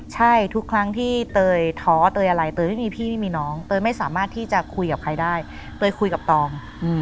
ใช่ทุกครั้งที่เตยท้อเตยอะไรเตยไม่มีพี่ไม่มีน้องเตยไม่สามารถที่จะคุยกับใครได้เตยคุยกับตอง